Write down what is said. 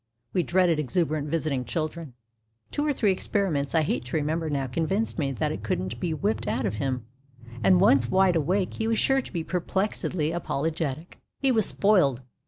(We dreaded exuberant visiting children.) Two or three experiments I hate to remember now convinced me that it couldn't be whipped out of him, and once wide awake he was sure to be perplexedly apologetic. He was spoiled.